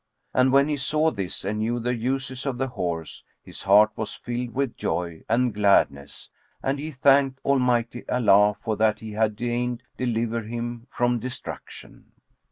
And when he saw this and knew the uses of the horse, his heart was filled with joy and gladness and he thanked Almighty Allah for that He had deigned deliver him from destruction.